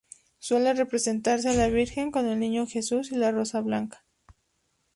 Suele representarse a la Virgen con el Niño Jesús y una rosa blanca.